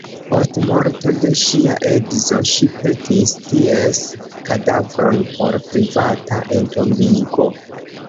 Post morto de ŝia edzo, ŝi petis ties kadavron por privata entombigo.